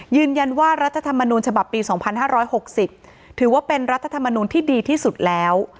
รัฐธรรมนูญฉบับปี๒๕๖๐ถือว่าเป็นรัฐธรรมนูลที่ดีที่สุดแล้ว